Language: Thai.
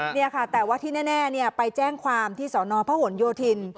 เนี่ยค่ะแต่ว่าที่แน่เนี่ยไปแจ้งความที่สอนพโยธิน